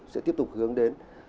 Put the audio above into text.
sẽ tiếp tục hướng đến